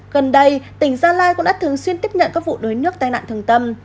gần đây tỉnh gia lai cũng đã thường xuyên tiếp nhận các vụ đuối nước tai nạn thường tâm